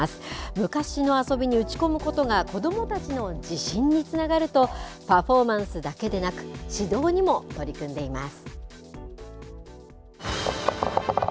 昔の遊びに打ち込むことが子どもたちの自信につながるとパフォーマンスだけでなく指導にも取り組んでいます。